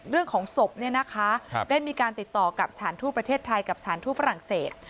เรื่องของศพเนี่ยนะคะได้มีการติดต่อกับสถานทูตประเทศไทยกับสถานทูตฝรั่งเศส